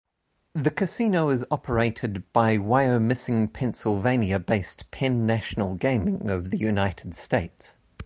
The casino is operated by Wyomissing, Pennsylvania-based Penn National Gaming of the United States.